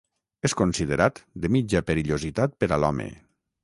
És considerat de mitja perillositat per a l'home.